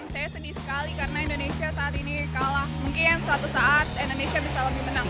saya sedih sekali karena indonesia saat ini kalah mungkin suatu saat indonesia bisa lebih menang